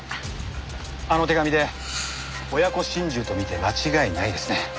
あの手紙で親子心中と見て間違いないですね。